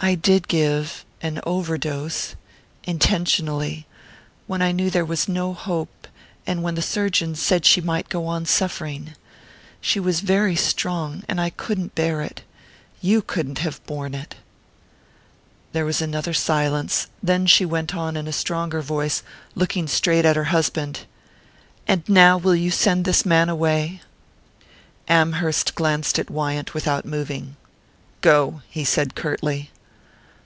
"I did give...an overdose...intentionally, when I knew there was no hope, and when the surgeons said she might go on suffering. She was very strong...and I couldn't bear it...you couldn't have borne it...." There was another silence; then she went on in a stronger voice, looking straight at her husband: "And now will you send this man away?" Amherst glanced at Wyant without moving. "Go," he said curtly.